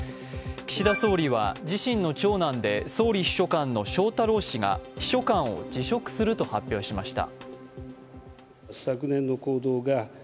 岸田総理は自身の長男で総理秘書官の翔太郎氏が秘書官を辞職すると発表しました。